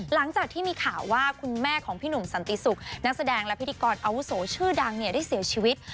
หลังจากที่มีข่าวว่าคุณแม่ของพี่หนุ่มสันติศุกร์นักแสดงและพิธีกรอาวุโสชื่อดังเนี่ยได้เสียชีวิต